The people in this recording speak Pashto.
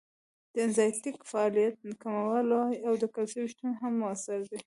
د انزایمټیک فعالیت کموالی او د کلسیم شتون هم مؤثر دی.